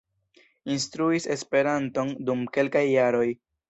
Instruis Esperanton dum kelkaj jaroj.